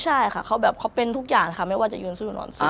ใช่ค่ะเขาแบบเขาเป็นทุกอย่างค่ะไม่ว่าจะยืนสู้อยู่นอนซ้าย